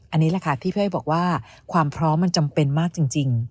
อันนี้แหละค่ะที่พี่อ้อยบอกว่าความพร้อมมันจำเป็นมากจริง